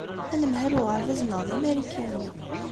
Anemhal n uɣerbaz-nneɣ d Amarikani.